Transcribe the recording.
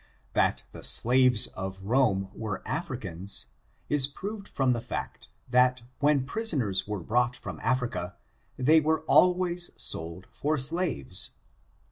That the slaves of Rome were Africans, is proved from the fact, that when prisoners were brought from Africa, they were always sold for slaves.